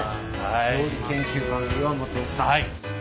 料理研究家の岩本さん。